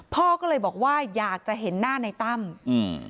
พ่อก็เลยบอกว่าอยากจะเห็นหน้าในตั้มอืม